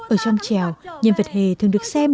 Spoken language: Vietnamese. ở trong trèo nhân vật hề thường được xem